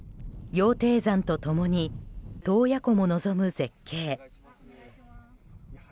羊蹄山と共に洞爺湖も望む絶景。